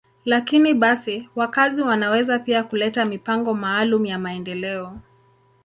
Lakini basi, wakazi wanaweza pia kuleta mipango maalum ya maendeleo.